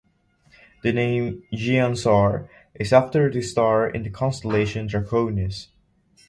The name "Giansar" is after the star in the constellation "Draconis".